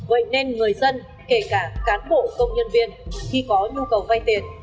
vậy nên người dân kể cả cán bộ công nhân viên khi có nhu cầu vay tiền